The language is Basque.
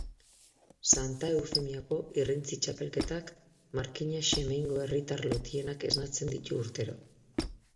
Santa Eufemiako irrintzi txapelketak Markina-Xemeingo herritar lotienak esnatzen ditu urtero.